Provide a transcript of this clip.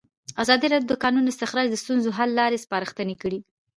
ازادي راډیو د د کانونو استخراج د ستونزو حل لارې سپارښتنې کړي.